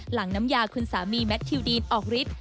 น้ำยาคุณสามีแมททิวดีนออกฤทธิ์